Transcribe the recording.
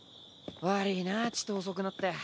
悪ぃなちと遅くなって。